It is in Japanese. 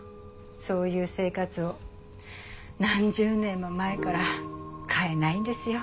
そういう生活を何十年も前から変えないんですよ。